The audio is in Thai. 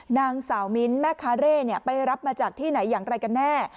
นางสาวมิ้นท์แม่คาเร่ไปรับมาจากที่ไหนอย่างไรกันแน่